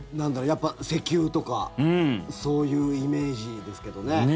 やっぱり石油とかそういうイメージですけどね。